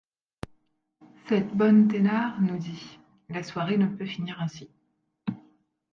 Cette bonne Thénard nous dit : La soirée ne peut finir ainsi.